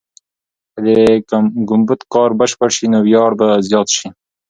که د ګمبد کار بشپړ سي، نو ویاړ به زیات سي.